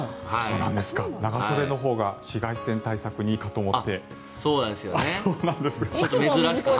長袖のほうが紫外線対策にいいかと思って。